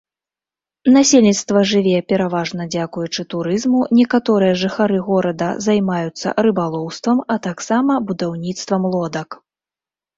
Насельніцтва жыве пераважна дзякуючы турызму, некаторыя жыхары горада займаюцца рыбалоўствам, а таксама будаўніцтвам лодак.